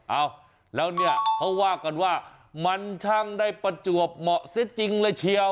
เอ้าแล้วเนี่ยเขาว่ากันว่ามันช่างได้ประจวบเหมาะเสียจริงเลยเชียว